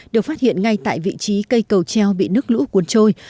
được phát hiện ngay tại vị trí cây cầu treo bị nước lũ cuốn trôi